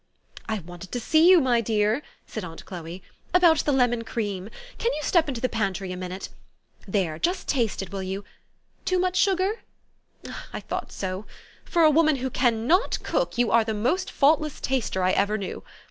" I wanted to see you, my dear," said aunt Chloe, " about the lemon cream. Can you step into the pantry a minute? There. Just taste it, willyqu? Too much sugar ? I thought so. For a woman who can not cook, you are the most faultless taster I ever knew.